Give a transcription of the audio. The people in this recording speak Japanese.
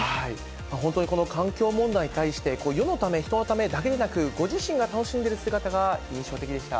本当にこの環境問題に対して、世のため人のためだけでなく、ご自身が楽しんでいる姿が印象的でした。